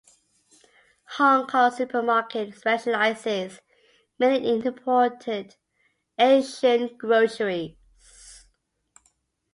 Hong Kong Supermarket specializes mainly in imported Asian groceries.